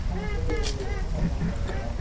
傘を差してらっしゃいます。